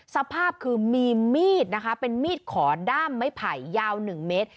สภาพคือมีมีดนะคะเป็นมีดขอด้ามไม้ไผ่ยาว๑เมตร